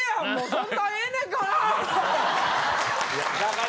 そんなんええねんから！